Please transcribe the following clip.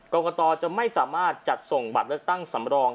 กรกตจะไม่สามารถจัดส่งบัตรเลือกตั้งสำรอง